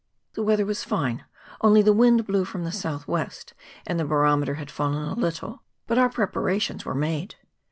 The weather was fine, only the wind blew from the south west, and the barometer had fallen a little; but our preparations were made.